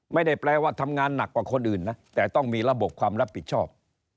ไม่ได้แปลว่าทำงานหนักกว่าคนอื่นนะแต่ต้องมีระบบความรับผิดชอบ